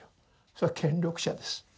それは権力者です。